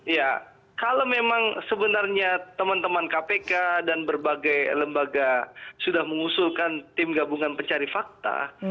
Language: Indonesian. ya kalau memang sebenarnya teman teman kpk dan berbagai lembaga sudah mengusulkan tim gabungan pencari fakta